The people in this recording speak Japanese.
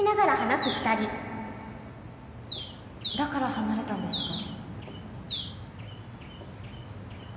だから離れたんですか？